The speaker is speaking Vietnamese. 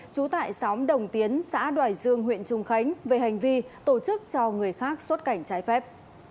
trú tại xóm đồng tiến xã đoài dương huyện trung khánh về hành vi tổ chức cho người khác xuất cảnh trái phép